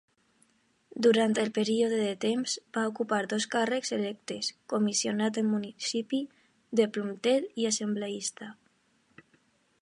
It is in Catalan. Durant un període de temps, va ocupar dos càrrecs electes: Comissionat del Municipi de Plumted i Assembleista.